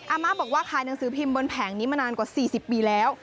อาม่าบอกว่าขายหนังสือพิมพ์บนแผงนี้มานานกว่า๔๐ปีแล้ว